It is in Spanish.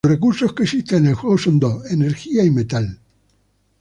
Los recursos que existen en el juego son dos: Energía y Metal.